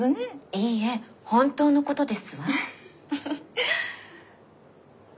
いいえ本当のことですわ。